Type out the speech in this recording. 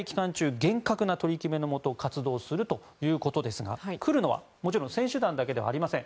厳格な取り決めのもと活動するということですが来るのは選手団だけではありません。